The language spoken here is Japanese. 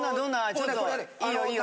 ちょっといいよいいよ。